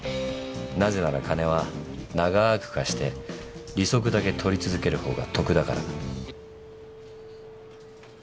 なぜなら金は長く貸して利息だけ取り続けるほうが得だから。